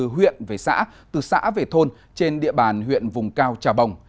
huyện về xã từ xã về thôn trên địa bàn huyện vùng cao trà bồng